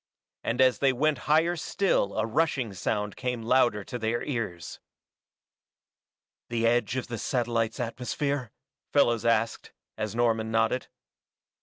And as they went higher still a rushing sound came louder to their ears. "The edge of the satellite's atmosphere?" Fellows asked, as Norman nodded.